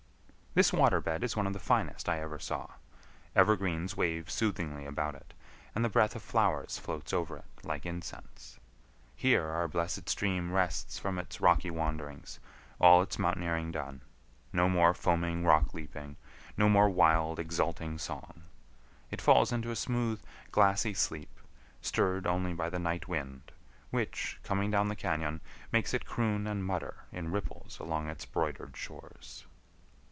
This water bed is one of the finest I ever saw. Evergreens wave soothingly about it, and the breath of flowers floats over it like incense. Here our blessed stream rests from its rocky wanderings, all its mountaineering done,—no more foaming rock leaping, no more wild, exulting song. It falls into a smooth, glassy sleep, stirred only by the night wind, which, coming down the cañon, makes it croon and mutter in ripples along its broidered shores.